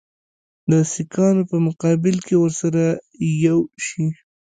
د سیکهانو په مقابل کې ورسره یو شي.